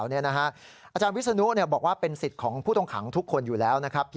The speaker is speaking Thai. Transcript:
อาจารย์วิศนุบอกว่าเป็นสิทธิ์ของผู้ต้องขังทุกคนอยู่แล้วนะครับ